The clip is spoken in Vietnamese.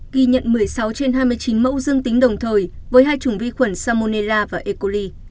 ghi nhận một mươi sáu trên hai mươi chín mẫu dương tính đồng thời với hai chủng vi khuẩn salmonella và ecoli